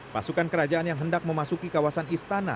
pasukan kerajaan yang hendak memasuki kawasan istana